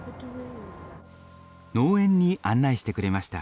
農園に案内してくれました。